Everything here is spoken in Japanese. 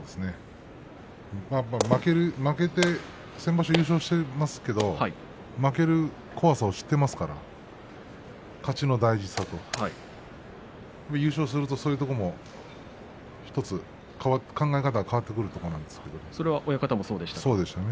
負けて先場所、優勝してますけども負ける怖さを知っていますから勝ちの大事さと優勝するとそういうところも１つ考え方が変わってくると親方もそうでしたか？